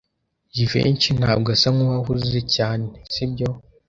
Jivency ntabwo asa nkuwahuze cyane, sibyo?